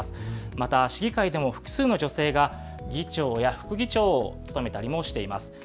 また市議会でも複数の女性が議長や副議長を務めたりもしています。